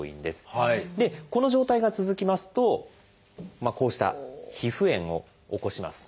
でこの状態が続きますとこうした皮膚炎を起こします。